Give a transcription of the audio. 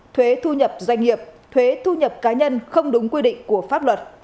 thuế thu nhập doanh nghiệp thuế thu nhập cá nhân không đúng quy định của pháp luật